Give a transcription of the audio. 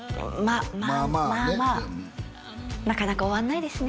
まあまあまあなかなか終わんないですね